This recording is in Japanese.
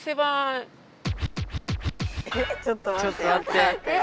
ちょっとまって。